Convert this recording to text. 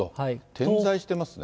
点在してますね。